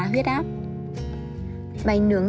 huyết áp bánh nướng